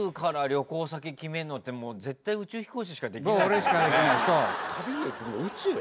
俺しかできないそう。